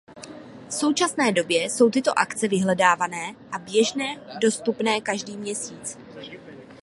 V současné době jsou tyto akce vyhledávané a běžně dostupné každý měsíc.